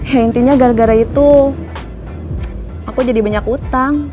ya intinya gara gara itu aku jadi banyak utang